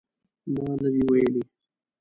ما نه دي ویلي